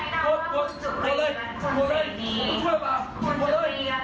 เยอะสิมั้ยก็ปล่อยเสร็จไม่มั้ยระบวนระบวนระบวนตัวอะไร